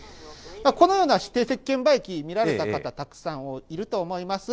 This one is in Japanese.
このような指定席券売機、見られた方、たくさんいると思います。